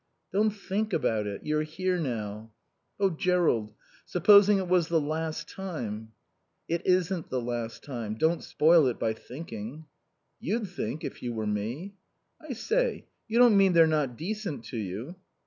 "Don't think about it. You're here now." "Oh Jerrold, supposing it was the last time " "It isn't the last time. Don't spoil it by thinking." "You'd think if you were me." "I say you don't mean they're not decent to you?"